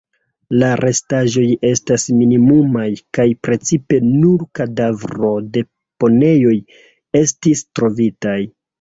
La restaĵoj estas minimumaj kaj precipe nur kadavro-deponejoj estis trovitaj.